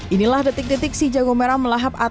inilah detik detik si jago merah melahap